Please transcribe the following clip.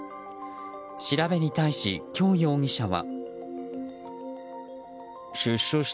調べに対し、キョウ容疑者は。